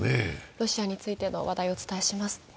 ロシアについての話題をお伝えします。